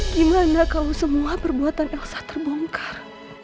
gimana kau semua perbuatan elsa terbongkar